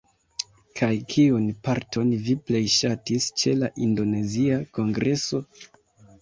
Kaj kiun parton vi plej ŝatis ĉe la indonezia kongreso?